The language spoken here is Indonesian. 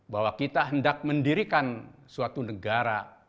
bahwa kita hendak mendirikan suatu negara